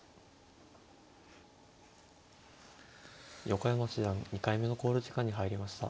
横山七段２回目の考慮時間に入りました。